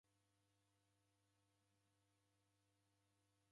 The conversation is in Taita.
Okulwa ufue